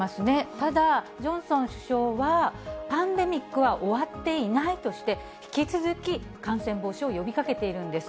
ただ、ジョンソン首相は、パンデミックは終わっていないとして、引き続き感染防止を呼びかけているんです。